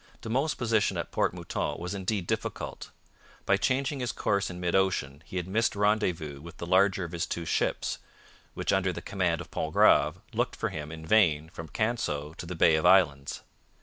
De Monts' position at Port Mouton was indeed difficult. By changing his course in mid ocean he had missed rendezvous with the larger of his two ships, which under the command of Pontgrave looked for him in vain from Canseau to the Bay of Islands.